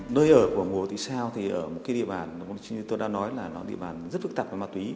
nơi ở của mùa tùy sao thì ở một địa bàn như tôi đã nói là địa bàn rất phức tạp và mặt túy